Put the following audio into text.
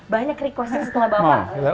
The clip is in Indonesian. banyak requestnya setelah bapak